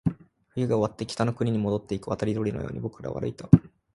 冬が終わって、北の国に戻っていく渡り鳥のように僕らは歩いた